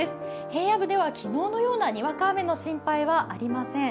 平野部では昨日のようなにわか雨の心配はありません。